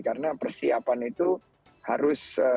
karena persiapan itu harus kita lakukan